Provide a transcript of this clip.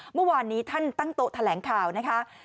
เมื่อวานนี้ท่านตั้งโต๊ะแถลงข่าวนะคะ